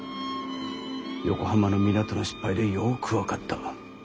横浜の港の失敗でよく分かった。